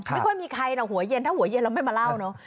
ไม่ค่อยมีใครนะหัวเย็นถ้าหัวเย็นเราไม่มาเล่าเนอะ